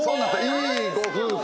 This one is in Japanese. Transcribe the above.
「いいご夫婦」